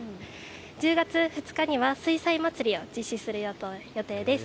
１０月２日には水彩まつりを実施する予定です。